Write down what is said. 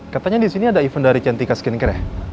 katanya disini ada event dari cintika skincare ya